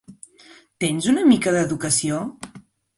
Tens una mica d’educació?